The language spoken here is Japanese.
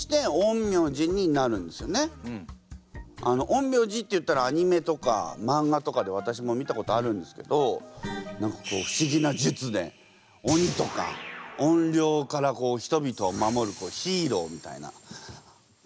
陰陽師っていったらアニメとかまんがとかで私も見たことあるんですけど何かこう不思議な術で鬼とか怨霊からいやだからえっ！？